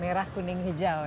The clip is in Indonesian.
merah kuning hijau ya